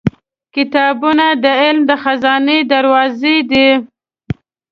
• کتابونه د علم د خزانو دروازې دي.